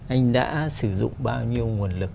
anh đã sử dụng bao nhiêu nguồn lực